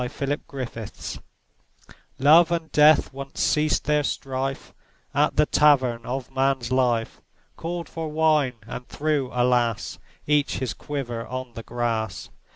THE EXPLANATION Love and Death once ceased their strife At the Tavern of Man's Life. Called for wine, and threw — alas! — Each his quiver on the grass.